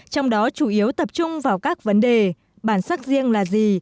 trong đó chủ yếu tập trung vào các vấn đề bản sắc riêng là gì